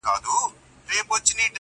زما له ملا څخه په دې بد راځي.